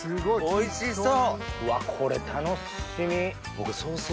おいしそう。